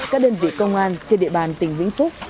các đơn vị công an trên địa bàn tỉnh vĩnh phúc